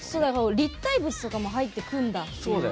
立体物とかも入ってくるんだ。